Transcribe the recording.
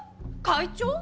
会長？